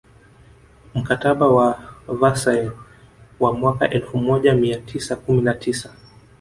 Mkataba wa Versailles wa mwaka elfu moja mia tisa kumi na tisa